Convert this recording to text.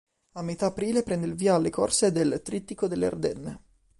A metà aprile prende il via alle corse del "Trittico delle Ardenne".